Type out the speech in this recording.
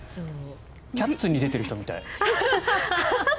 「キャッツ」に出てる人みたい。